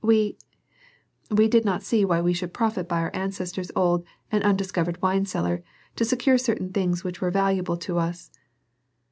We we did not see why we should not profit by our ancestor's old and undiscovered wine cellar to secure certain things which were valuable to us."